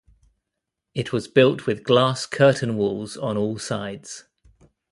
It was built with glass curtain walls on all sides.